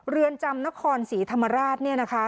เรือนจำนครศรีธรรมราชเนี่ยนะคะ